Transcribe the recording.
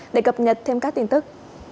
để cập nhật thêm các tin tức